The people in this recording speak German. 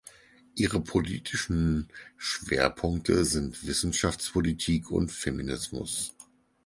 Ihre politischen Schwerpunkte sind Wissenschaftspolitik und Feminismus.